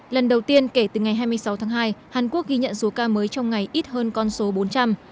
lần đầu tiên kể từ ngày hai mươi sáu tháng hai hàn quốc ghi nhận số ca mới trong ngày ít hơn con số bốn trăm linh